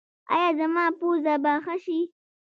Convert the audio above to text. ایا زما پوزه به ښه شي؟